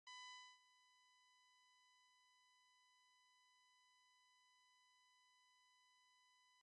He was editor-in-chief of the "Alabama Law Review" and ranked first in his class.